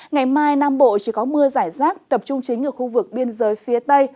ngày mai nam bộ chỉ có mưa giải rác tập trung chính ở khu vực biên giới phía tây